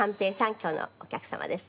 今日のお客様です。